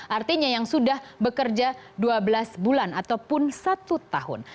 artinya yang sudah bekerja dua belas bulan ataupun satu tahun